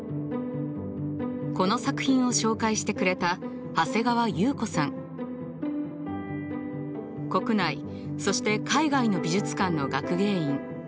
この作品を紹介してくれた国内そして海外の美術館の学芸員。